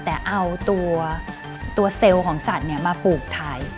แต่เอาตัวเซลล์ของสัตว์มาปลูกถ่าย